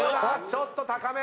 ちょっと高め。